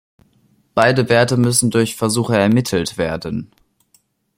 Beide Werte müssen durch Versuche ermittelt werden.